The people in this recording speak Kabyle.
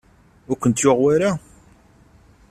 Ur kent-yuɣ wara?